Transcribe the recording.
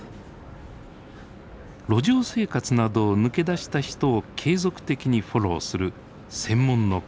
路上生活などを抜け出した人を継続的にフォローする専門のクリニックです。